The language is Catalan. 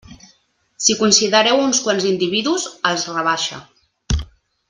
Si considereu uns quants individus, els rebaixa.